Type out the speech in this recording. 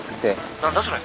何だそれ。